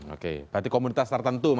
oke berarti komunitas tertentu